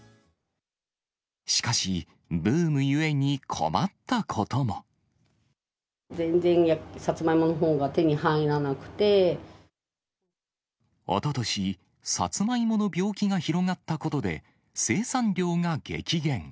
しかし、ブームゆえに困った全然サツマイモのほうが手におととし、サツマイモの病気が広がったことで、生産量が激減。